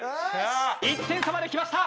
１点差まできました！